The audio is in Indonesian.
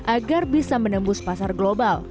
agar bisa menembus pasar global